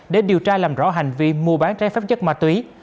để điều tra làm rõ hành vi mua bán trái phép chất ma túy